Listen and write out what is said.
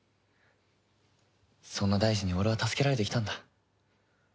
そんな大二に俺は助けられてきたんだ。